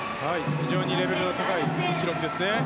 非常にレベルの高い記録ですね。